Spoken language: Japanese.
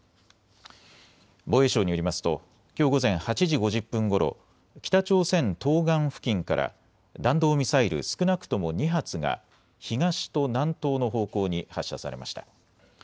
防衛省によりますときょう午前８時５０分ごろ、北朝鮮東岸付近から弾道ミサイル少なくとも２発が東と南東の方向に発射されました。